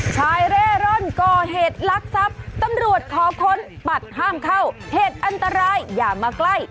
ชายเร่ร่อนก่อเหตุลักษัพตำรวจขอค้นปัดห้ามเข้าเหตุอันตรายอย่ามาใกล้